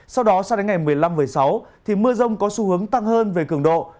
sau đó sang đến ngày một mươi năm một mươi sáu thì mưa rông có xu hướng tăng hơn về cường độ